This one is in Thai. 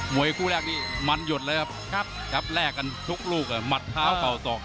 วยคู่แรกนี้มันหยดเลยครับครับแลกกันทุกลูกหมัดเท้าเข่าศอก